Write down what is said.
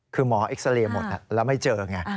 คือหมอเอ็กซาเรย์หมดแล้วไม่เจอไง